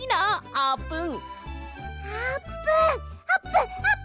あーぷん！